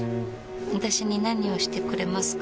私に何をしてくれますか？